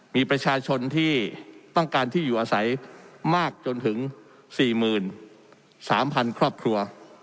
มีประชาชนที่ต้องการที่อยู่อาศัยมากจนถึงสี่หมื่นสามพันครอบครัว